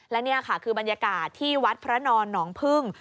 และนี่ค่ะคือบรรยากาศที่วัดพระนอนหนองพึ่ง